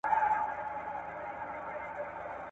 په پلي تګ کې د چا خبره نه ردېږي.